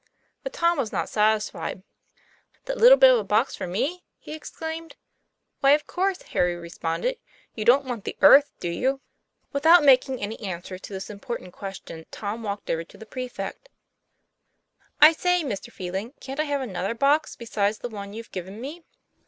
But Tom was not satisfied. ' That little bit of a box for me!" he exclaimed. 'Why, of course," Harry responded. 'You don't want the earth, do you?" Without making any answer to this important ques tion, Tom walked over to the prefect. 'I say, Mr. Phelan, can't I have another box, be sides the one you've given me?"